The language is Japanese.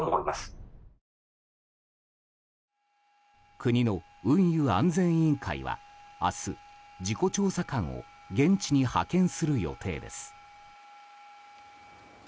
国の運輸安全委員会は明日事故調査官を現地に派遣する予定です。